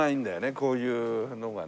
こういうのがね。